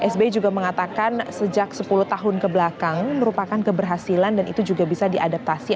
sbi juga mengatakan sejak sepuluh tahun kebelakang merupakan keberhasilan dan itu juga bisa diadaptasi